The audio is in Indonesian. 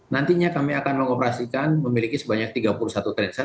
nantinya kami akan mengoperasikan memiliki sebanyak tiga puluh satu trainset